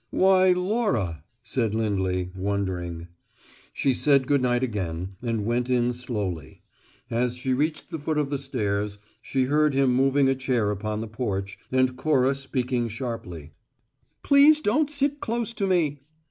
"Why, Laura!" said Lindley, wondering. She said good night again, and went in slowly. As she reached the foot of the stairs, she heard him moving a chair upon the porch, and Cora speaking sharply: "Please don't sit close to me!"